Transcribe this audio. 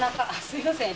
すいません。